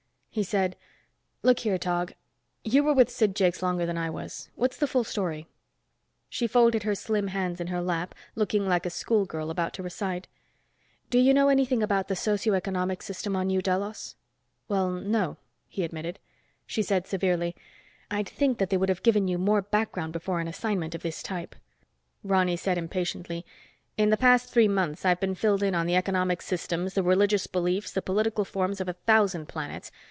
He said, "Look here, Tog, you were with Sid Jakes longer than I was. What's the full story?" She folded her slim hands in her lap, looking like a schoolgirl about to recite. "Do you know anything about the socio economic system on New Delos?" "Well, no," he admitted. She said severely, "I'd think that they would have given you more background before an assignment of this type." Ronny said impatiently, "In the past three months I've been filled in on the economic systems, the religious beliefs, the political forms, of a thousand planets.